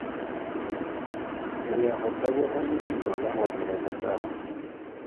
Le ya go taboga lebelo la go neeletsana.